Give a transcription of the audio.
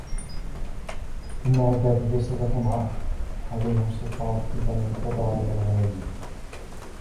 إن عبادي ليس لك عليهم سلطان إلا من اتبعك من الغاوين